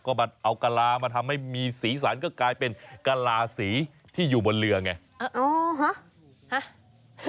ก็มาเอากะลามาทำให้มีสีสันก็กลายเป็นกะลาสีที่อยู่บนเรือไง